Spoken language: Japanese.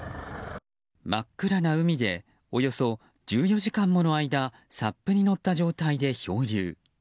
真っ暗な海でおよそ１４時間もの間ＳＵＰに乗った状態で漂流。